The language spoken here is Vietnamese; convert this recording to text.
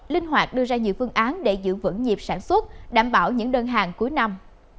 linh hoạt đưa ra nhiều phương án để giữ vững nhịp sản xuất đảm bảo những đơn hàng cuối năm